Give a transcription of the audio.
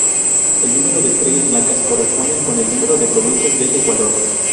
El número de estrellas blancas corresponden con el número de provincias del Ecuador.